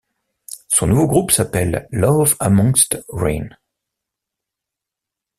Son nouveau groupe s'appelle Love Amongst Ruin.